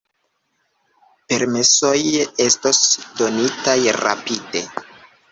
Permesoj estos donitaj rapide.